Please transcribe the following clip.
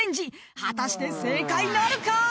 ［果たして正解なるか⁉］